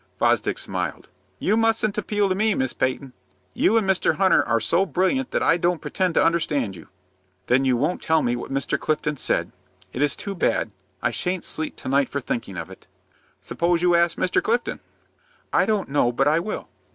Fosdick smiled. "You mustn't appeal to me, Miss Peyton. You and Mr. Hunter are so brilliant that I don't pretend to understand you." "Then you won't tell me what Mr. Clifton said. It is too bad. I shan't sleep to night for thinking of it." "Suppose you ask Mr. Clifton." "I don't know but I will."